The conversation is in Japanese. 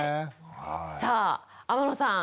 さあ天野さん